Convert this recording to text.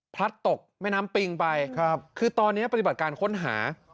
พลัดตกแม่น้ำปิงไปคือตอนนี้ปฏิบัติการค้นหา